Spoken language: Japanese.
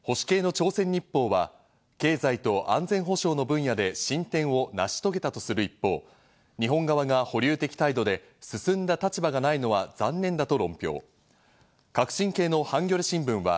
保守系の朝鮮日報は「経済と安全保障の分野で進展を成し遂げた」とする一方、「日本側が保留的態度で進んだ立場がないのは残念だ」と論評。